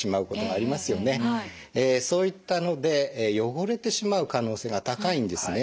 そういったので汚れてしまう可能性が高いんですね。